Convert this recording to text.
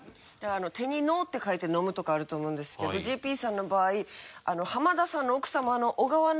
手に「の」って書いて飲むとかあると思うんですけどＪＰさんの場合浜田さんの奥様の小川菜摘さんの顔を描いて飲む。